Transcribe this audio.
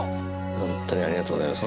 ホントにありがとうございます